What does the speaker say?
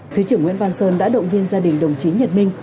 thứ trưởng nguyễn văn sơn đã động viên gia đình đồng chí nhật minh